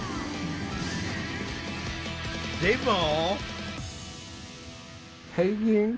でも？